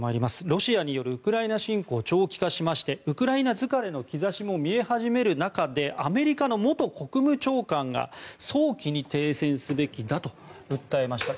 ロシアによるウクライナ侵攻長期化しましてウクライナ疲れの兆しも見え始める中でアメリカの元国務長官が早期に停戦すべきだと訴えました。